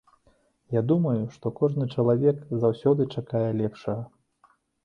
Я думаю, што кожны чалавек заўсёды чакае лепшага.